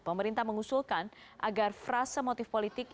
pemerintah mengusulkan agar frase motif politik